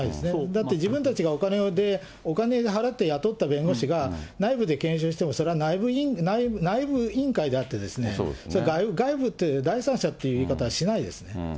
だって自分たちがお金払って雇った弁護士が、内部で検証しても、それは内部委員会であって、それは外部って、第三者っていう言い方はしないですね。